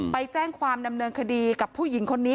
ไปแจ้งความดำเนินคดีกับผู้หญิงคนนี้